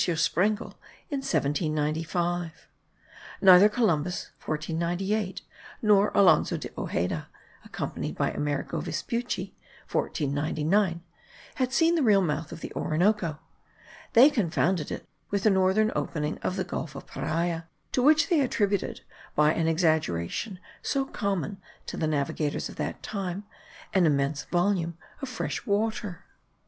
Sprengel, in 1795. Neither Columbus (1498) nor Alonzo de Ojeda, accompanied by Amerigo Vespucci (1499), had seen the real mouth of the Orinoco; they confounded it with the northern opening of the Gulf of Paria, to which they attributed (by an exaggeration so common to the navigators of that time, an immense volume of fresh water.